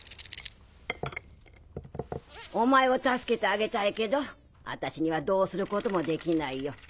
お前を助けてあげたいけど私にはどうすることもできないよ